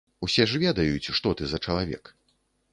Усе ж ведаюць, што ты за чалавек.